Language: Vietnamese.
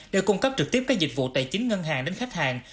để cung cấp trực tiếp các dịch vụ tài chính ngân hàng đến khách hàng